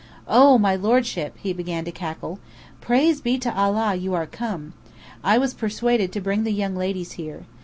"Oh, my lordship!" he began to cackle. "Praise be to Allah you are come! I was persuaded to bring the young ladies here.